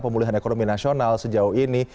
pemulihan ekonomi nasional sejauh ini